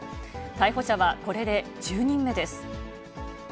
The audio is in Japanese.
逮捕者は、これで１０人目です。